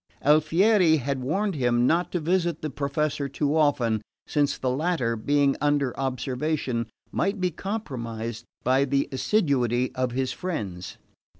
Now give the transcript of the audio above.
Alfieri had warned him not to visit the Professor too often, since the latter, being under observation, might be compromised by the assiduity of his friends.